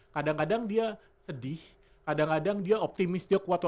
kadang kadang dia sedih kadang kadang dia optimis dia kuat